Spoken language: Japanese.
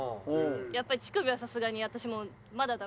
やっぱり乳首はさすがに私もまだダメなんで。